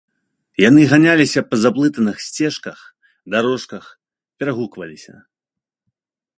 Яны ганяліся па заблытаных сцежках, дарожках, перагукваліся.